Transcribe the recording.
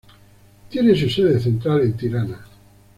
Tiene su sede central en Tirana.